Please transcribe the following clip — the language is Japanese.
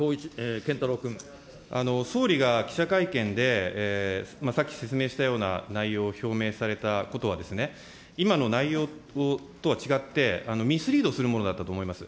総理が記者会見で、さっき説明したような内容を表明されたことは、今の内容とは違って、ミスリードするものだったと思います。